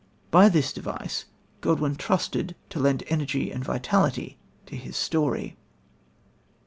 By this device Godwin trusted to lend energy and vitality to his story.